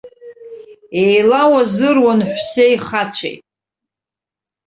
Еилауазыруан ҳәсеи хацәеи.